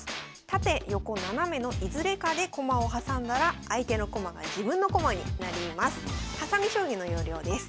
縦・横・ななめのいずれかで駒を挟んだら相手の駒が「自分の駒」になります。